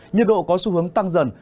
nhiệt độ có xu hướng tăng dần